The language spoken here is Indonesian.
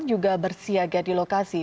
juga bersiaga di lokasi